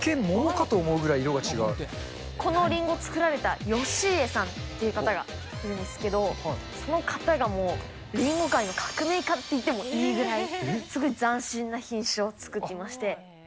一見、このりんご作られた吉家さんっていう方がいるんですけど、その方がもう、りんご界の革命家っていってもいいぐらい、すごい斬新な品種を作っていまして。